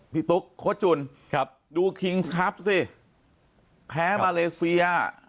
พี่ตุ๊กโค้ดจุนครับดูคริงส์คลับสิแพ้เมเลเซีย